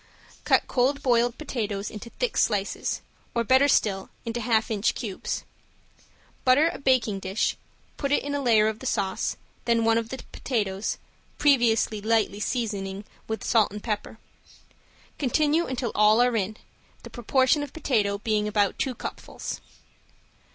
Cut cold boiled potatoes into thick slices, or, better still, into half inch cubes. Butter a baking dish, put in it a layer of the sauce, then one of the potatoes, previously lightly seasoning with salt and pepper. Continue until all are in, the proportion of potato being about two cupfuls.